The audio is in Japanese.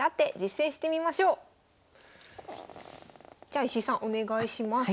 じゃあ石井さんお願いします。